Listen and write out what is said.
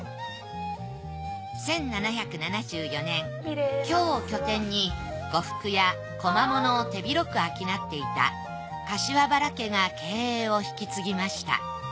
１７７４年京を拠点に呉服や小間物を手広く商っていた柏原家が経営を引き継ぎました。